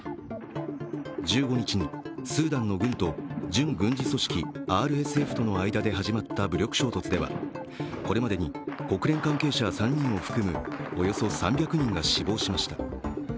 １５日にスーダンの軍と準軍事組織ＲＳＦの間で始まった武力衝突では、これまでに国連関係者３人を含むおよそ３００人が死亡しました。